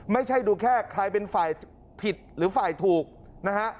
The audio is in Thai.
ไม่ใช่ดูแค่ใครเป็นฝ่ายผิดหรือฝ่ายถูกนะฮะ